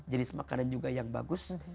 jenis makanan juga yang bagus